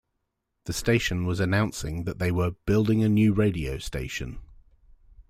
The station was announcing that they were "building a new radio station".